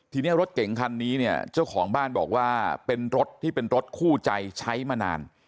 ทีนี้รถเก่งคันนี้เนี่ยเจ้าของบ้านบอกว่าเป็นรถที่เป็นรถคู่ใจใช้มานาน